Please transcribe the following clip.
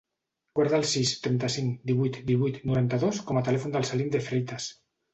Guarda el sis, trenta-cinc, divuit, divuit, noranta-dos com a telèfon del Salim De Freitas.